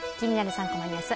３コマニュース」